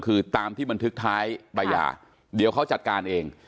คือตามที่บันทึกท้ายใบยาเดี๋ยวเขาจัดการเอง